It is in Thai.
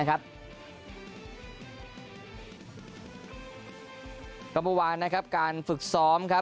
กับเมื่อวานการฝึกซ้อม